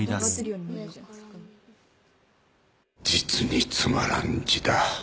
実につまらん字だ